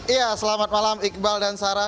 iya selamat malam iqbal dan sarah